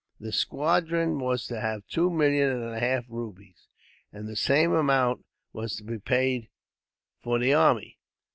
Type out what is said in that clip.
The squadron was to have two million and a half rupees, and the same amount was to be paid for the army.